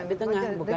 di tengah ya